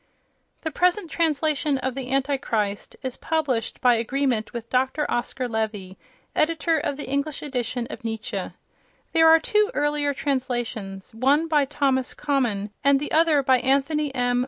The present translation of "The Antichrist" is published by agreement with Dr. Oscar Levy, editor of the English edition of Nietzsche. There are two earlier translations, one by Thomas Common and the other by Anthony M.